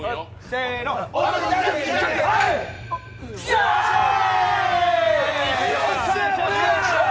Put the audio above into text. よっしゃー！